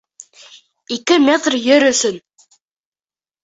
Ике метр ер өсөн!